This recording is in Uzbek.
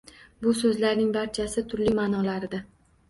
Bu soʻzning barchasi turli maʼnolarida.